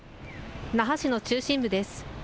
那覇市の中心部です。